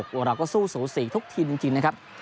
ว่าเราก็สู้๐๔ทุกทีมจริงนะครับ